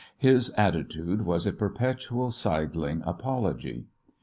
His attitude was a perpetual sidling apology.